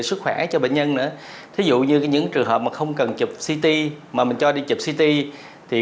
sức khỏe cho bệnh nhân nữa ví dụ như những trường hợp mà không cần chụp ct mà mình cho đi chụp ct